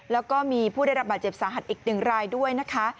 แล้วก็มีผู้ได้รับบาดเจ็บสาหัสอีกหนึ่งรายด้วยนะคะ